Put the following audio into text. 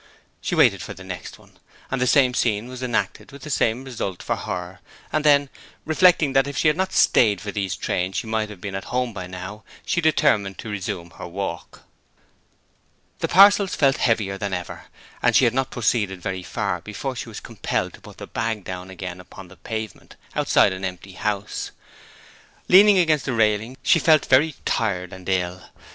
She waited for the next one, and the same scene was enacted with the same result for her, and then, reflecting that if she had not stayed for these trams she might have been home by now, she determined to resume her walk. The parcels felt heavier than ever, and she had not proceeded very far before she was compelled to put the bag down again upon the pavement, outside an empty house. Leaning against the railings, she felt very tired and ill.